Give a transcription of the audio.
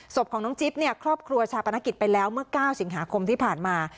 ศพของน้องจิ๊บเนี่ยครอบครัวชาปนกิจไปแล้วเมื่อ๙สิงหาคมที่ผ่านมา